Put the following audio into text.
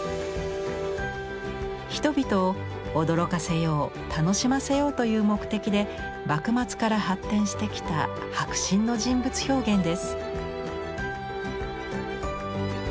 人々を驚かせよう楽しませようという目的で幕末から発展してきた迫真の人物表現です。